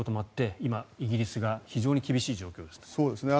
今、イギリスが非常に厳しい状況です。